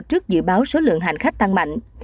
trước dự báo số lượng hành khách tăng mạnh